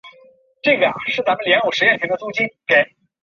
但是最后是否刊发则由编委会全体决定。